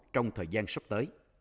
trong thời gian sắp tới